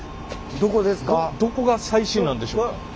どこが最新なんでしょうか？